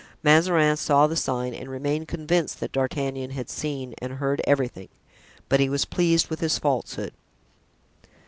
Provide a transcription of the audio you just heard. Mazarin saw the sign and remained convinced that D'Artagnan had seen and heard everything; but he was pleased with his falsehood.